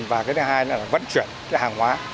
và cái thứ hai là vận chuyển hàng hóa